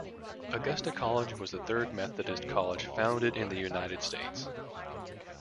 Augusta College was the third Methodist college founded in the United States.